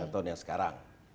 tahun yang sekarang